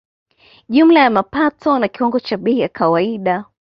Jumla ya mapato na kiwango cha bei ya kawaida